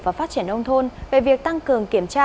và phát triển nông thôn về việc tăng cường kiểm tra